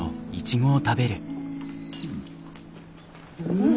うん。